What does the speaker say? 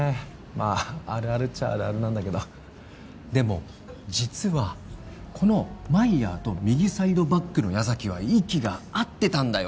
まああるあるっちゃあるあるなんだけどでも実はこのマイヤーと右サイドバックの矢崎は息が合ってたんだよ